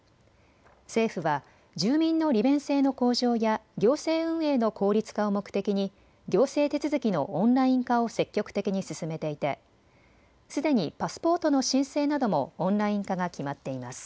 政府は住民の利便性の向上や行政運営の効率化を目的に行政手続きのオンライン化を積極的に進めていてすでにパスポートの申請などもオンライン化が決まっています。